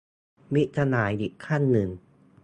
มิตรสหายอีกท่านหนึ่ง